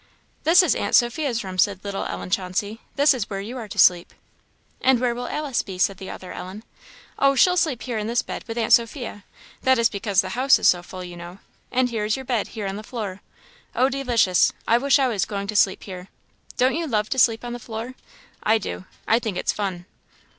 "This is aunt Sophia's room," said little Ellen Chauncey; "this is where you are to sleep." "And where will Alice be?" said the other Ellen. "Oh, she'll sleep here, in this bed, with aunt Sophia; that is because the house is so full, you know; and here is your bed, here on the floor. Oh, delicious! I wish I was going to sleep here! Don't you love to sleep on the floor? I do. I think it's fun."